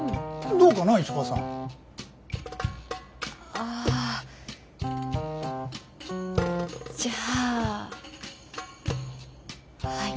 ああじゃあはい。